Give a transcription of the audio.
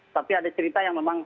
tapi ada cerita yang memang